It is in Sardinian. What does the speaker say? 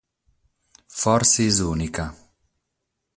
Forsis ùnica.